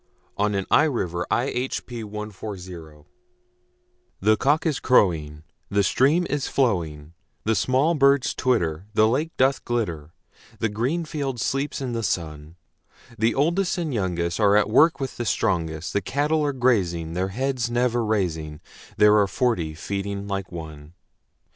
William Wordsworth Written in March THE cock is crowing, The stream is flowing, The small birds twitter, The lake doth glitter The green field sleeps in the sun; The oldest and youngest Are at work with the strongest; The cattle are grazing, Their heads never raising; There are forty feeding like one!